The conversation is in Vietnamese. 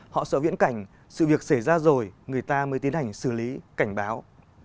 họ sợ viễn cảnh sự việc xảy ra rồi người ta mới tiến hành xử lý cảnh báo